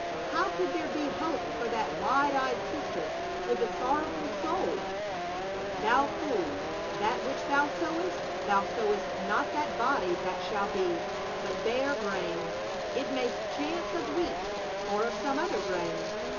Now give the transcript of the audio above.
How could there be hope for that wide eyed sister with the sorrowful soul? "Thou fool, that which thou sowest, thou sowest not that body that shall be, but bare grain, it may chance of wheat, or of some other grain."